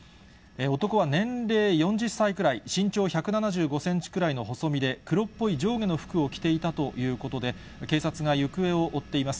男は年齢４０歳くらい、身長１７５センチくらいの細身で、黒っぽい上下の服を着ていたということで、警察が行方を追っています。